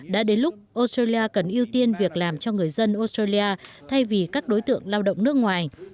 đã đến lúc australia cần ưu tiên việc làm cho người dân australia thay vì các đối tượng lao động nước ngoài